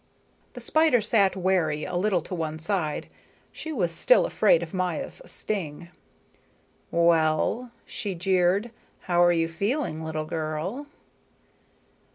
The spider sat wary, a little to one side. She was still afraid of Maya's sting. "Well?" she jeered. "How are you feeling, little girl?"